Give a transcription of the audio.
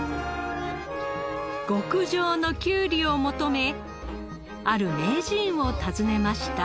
極上のきゅうりを求めある名人を訪ねました。